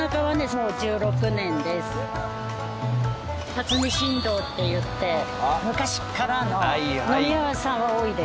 辰巳新道って言って昔からの飲み屋さんが多いです。